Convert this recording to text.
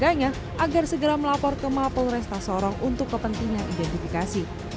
sebagainya agar segera melapor ke mafal polresta sorong untuk kepentingan identifikasi